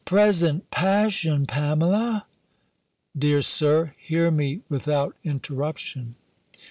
"Present passion, Pamela!" "Dear Sir, hear me without interruption.